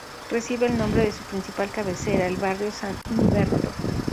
Recibe el nombre de su principal cabecera, el barrio San Humberto.